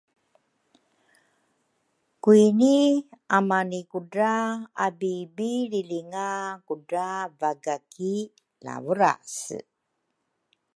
kuini amani kudra abibilrilinga kudra vaga ki Lavurase.